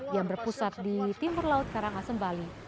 yang berpusat di timur laut karangasem bali